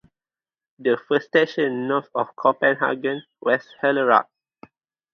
The first station north of Copenhagen was Hellerup.